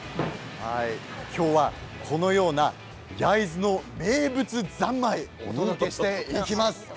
今日はこのような焼津の名物三昧お届けしていきます。